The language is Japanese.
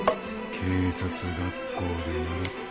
「警察学校で習ったろ」